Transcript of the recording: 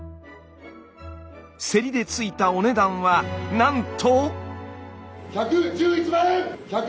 競りで付いたお値段はなんと！